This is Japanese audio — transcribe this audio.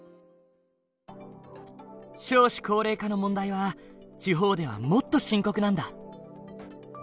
少子高齢化の問題は地方ではもっと深刻なんだ。